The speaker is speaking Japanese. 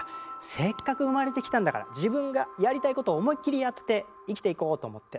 せっかく生まれてきたんだから自分がやりたいことを思いっきりやって生きていこうと思って。